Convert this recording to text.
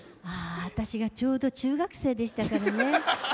私がちょうど中学生でしたからね。